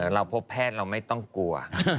เราพบแพทย์เราไม่ต้องกลัว